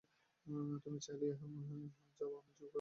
তুমি চলিয়া যাইতেছ, আমি জোর করিয়া ধরিয়া রাখিতে পারি না।